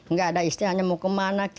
nggak ada istilahnya mau ke mana